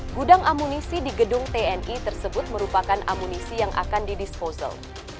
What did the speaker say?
gudang amunisi di gedung tni tersebut merupakan amunisi yang akan didisposal